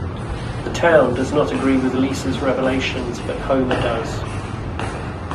The town does not agree with Lisa's revelations, but Homer does.